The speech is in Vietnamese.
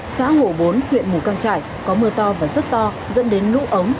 xã hổ bốn huyện mù căng trải có mưa to và rất to dẫn đến lũ ống